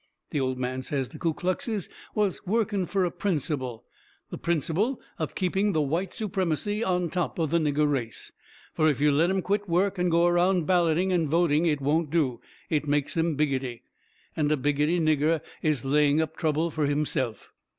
The old man says the Ku Kluxes was working fur a principle the principle of keeping the white supremacy on top of the nigger race. Fur if you let 'em quit work and go around balloting and voting it won't do. It makes 'em biggity. And a biggity nigger is laying up trouble fur himself.